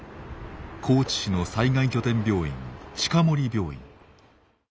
高知市の災害拠点病院近森病院。